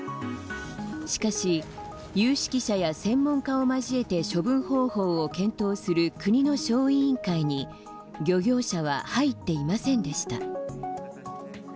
しかし、有識者や専門家を交えて処分方法を検討する国の小委員会に漁業者は入っていませんでした。